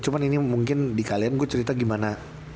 cuma ini mungkin di kalian gue cerita gimana